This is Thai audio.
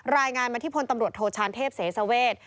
รายงานมาที่พลตำรวจโทชานเทพเสสเวท